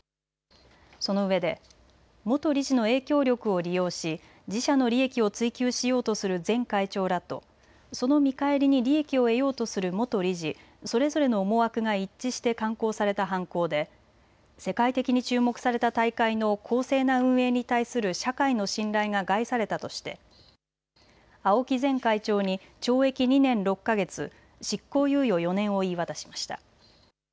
そのうえで元理事の影響力を利用し自社の利益を追求しようとする前会長らとその見返りに利益を得ようとする元理事、それぞれの思惑が一致して敢行された犯行で世界的に注目された大会の公正な運営に対する社会の信頼が害されたとして青木前会長に懲役２年６か月執行猶予４年を言い渡しました。